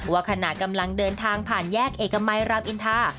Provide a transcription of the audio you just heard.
ว่าขณะกำลังเดินทางผ่านแยกเอกมัยรามอินทา